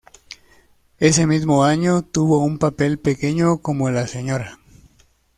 Ese mismo año tuvo un papel pequeño como la Sra.